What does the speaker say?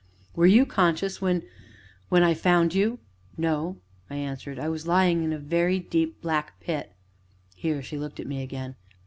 "Were you conscious when when I found you?" "No," I answered; "I was lying in a very deep, black, pit." Here she looked at me again.